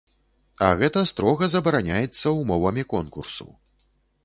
А гэта строга забараняецца ўмовамі конкурсу.